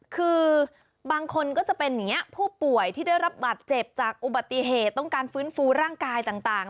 คือบางคนก็จะเป็นอย่างนี้ผู้ป่วยที่ได้รับบัตรเจ็บจากอุบัติเหตุต้องการฟื้นฟูร่างกายต่าง